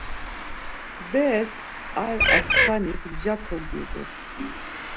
Beres ar aslanik mja kogyubu.